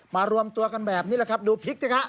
มารวมตัวกันแบบนี้แหละครับดูพริกเถอะค่ะ